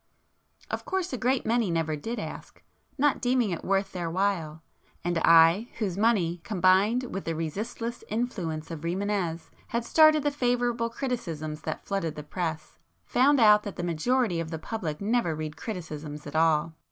Of course a great many never did ask, not deeming it worth their while; and I whose money, combined with the resistless influence of Rimânez, had started the favourable criticisms that flooded the press, found out that the majority of the public never read criticisms at all.